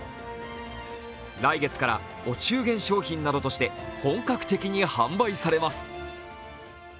来月からお中元商品などとして本格的に販売されます。